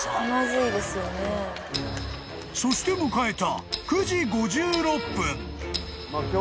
［そして迎えた］